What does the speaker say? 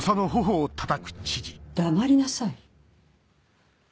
黙りなさい。